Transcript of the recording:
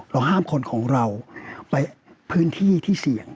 ห้ามคนของเราไปพื้นที่ที่เสี่ยง